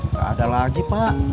nggak ada lagi pak